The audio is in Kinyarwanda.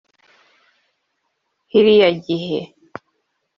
Kiriya gihe